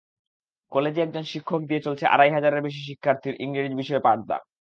কলেজে একজন শিক্ষক দিয়ে চলছে আড়াই হাজারের বেশি শিক্ষার্থীর ইংরেজি বিষয়ের পাঠদান।